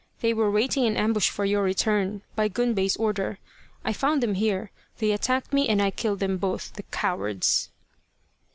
They were waiting in ambush for your return, by Gunbei's order. I found them here. They attacked me and I killed them both, the cowards